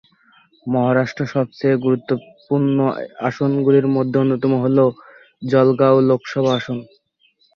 মহারাষ্ট্র সবচেয়ে গুরুত্বপূর্ণ আসনগুলির মধ্যে অন্যতম হল জলগাঁও লোকসভা আসন।